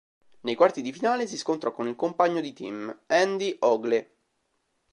Nei quarti di finale si scontrò con il compagno di team, Andy Ogle.